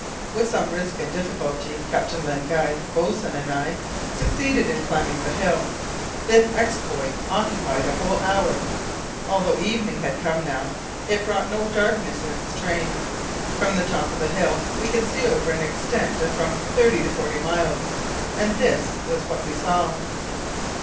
With some risk and difficulty, Captain Len Guy, the boatswain, and I succeeded in climbing the hill; this exploit occupied a whole hour. Although evening had now come, it brought no darkness in its train. From the top of the hill we could see over an extent of from thirty to forty miles, and this was what we saw.